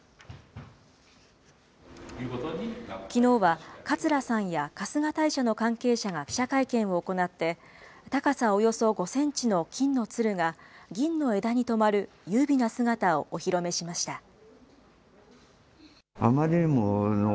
きのうは、桂さんや春日大社の関係者が記者会見を行って、高さおよそ５センチの金の鶴が、銀の枝にとまる優美な姿をお披露目しました。